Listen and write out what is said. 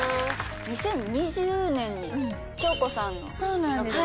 ２０２０年に京子さんの。そうなんです。